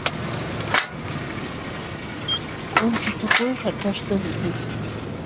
Unchuchukuy hakaśhta mikuykan